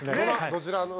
どちらの？